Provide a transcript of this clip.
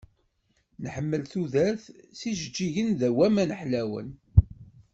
Nḥemmel tudert s yijeǧǧigen, d waman ḥlawen.